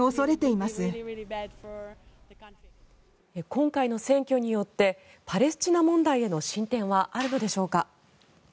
今回の選挙によってパレスチナ問題への進展はあるのでしょうか。